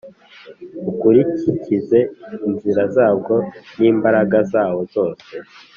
ukurikize inzira zabwo n’imbaraga zawe zose